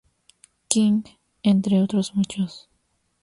King, entre otros muchos.